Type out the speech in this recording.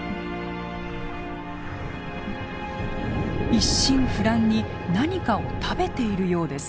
一心不乱に何かを食べているようです。